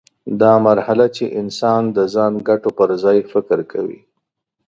دا مرحله چې انسان د ځان ګټو پر ځای فکر کوي.